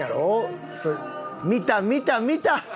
見た見た見た！